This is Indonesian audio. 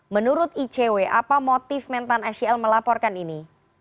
menurut icw apa motif mentan sel melaporkan ini